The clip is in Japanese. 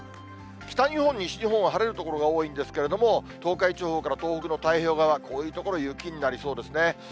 北日本、西日本は晴れる所が多いんですけれども、東海地方から東北の太平洋側、こういう所、雪になりそうですね。